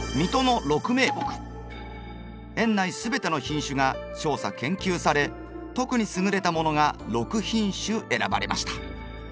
園内全ての品種が調査研究され特に優れたものが６品種選ばれました。